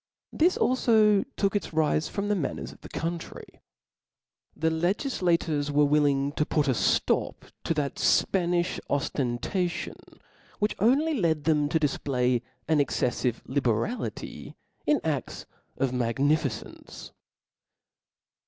This alfo took its rile from the manners of the country. The legiflators were willing to put a flop to th^ Spanilh oftentation, which only led them to difplay an exceffive liberality in a£ts of magnificence.